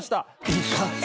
いかつい。